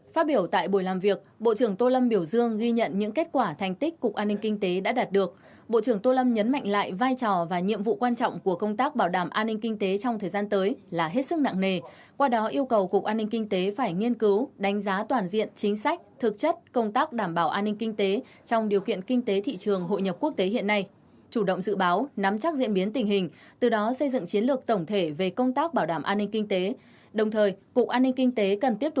phát biểu tại buổi làm việc bộ trưởng tô lâm biểu dương ghi nhận những kết quả thành tích cục an ninh kinh tế đã đạt được bộ trưởng tô lâm nhấn mạnh lại vai trò và nhiệm vụ quan trọng của công tác bảo đảm an ninh kinh tế trong thời gian tới là hết sức nặng nề qua đó yêu cầu cục an ninh kinh tế phải nghiên cứu đánh giá toàn diện chính sách thực chất công tác đảm bảo an ninh kinh tế trong điều kiện kinh tế thị trường hội nhập quốc tế hiện nay chủ động dự báo nắm chắc diễn biến tình hình từ đó xây dựng chiến lược tổng thể về công tác b